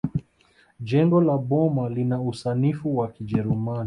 jengo la boma lina usanifu wa kijerumani